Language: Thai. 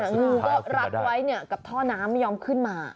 งูก็รัดไว้กับท่อน้ำไม่ยอมขึ้นมา